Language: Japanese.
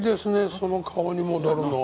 その顔に戻るの。